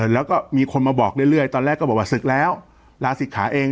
แล้วก็มีคนมาบอกเรื่อยตอนแรกก็บอกว่าศึกแล้วลาศิกขาเอง